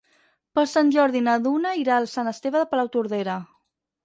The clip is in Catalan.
Per Sant Jordi na Duna irà a Sant Esteve de Palautordera.